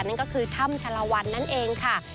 นั่นก็คือถ้ำชะละวันนั่นเองค่ะ